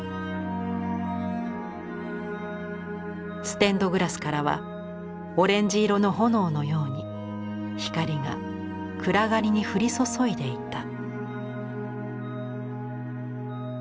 「ステンドグラスからはオレンジ色の炎のように光が暗がりに降り注いでいた」。